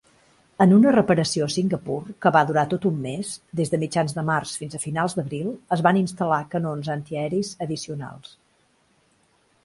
En una reparació a Singapur que va durar tot un mes, des de mitjans de març fins a mitjans d'abril, es van instal·lar canons antiaeris addicionals.